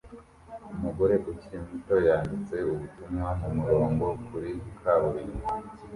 Umugore ukiri muto yanditse ubutumwa mumurongo kuri kaburimbo